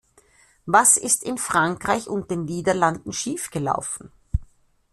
Was ist in Frankreich und den Niederlanden schief gelaufen?